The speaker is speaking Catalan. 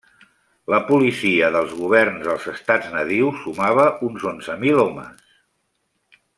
La policia dels governs dels estats nadius sumava uns onze mil homes.